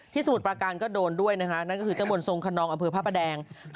สมุทรประการก็โดนด้วยนะคะนั่นก็คือตะบนทรงคนนองอำเภอพระประแดง